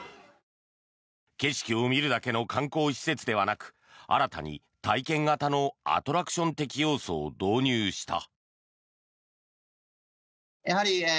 景色を見るだけの観光施設ではなく新たに体験型のアトラクション的要素を導入した。